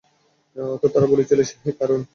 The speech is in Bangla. অর্থাৎ তারা বলেছিলেন, হে কারূন!